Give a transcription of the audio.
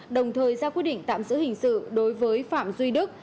đồng thời ra quyết định tạm giữ hình sự đối với phạm duy đức